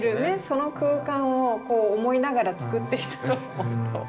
その空間を思いながら作ってきたと思うと。